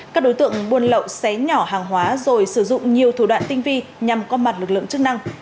các đối tượng buôn lậu xé nhỏ hàng hóa rồi sử dụng nhiều thủ đoạn tinh vi nhằm có mặt lực lượng chức năng